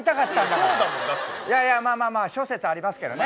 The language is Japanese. いやいやまあまあまあ諸説ありますけどね。